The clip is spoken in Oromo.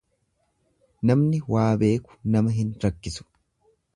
Namni waa beeku nama hin rakkisu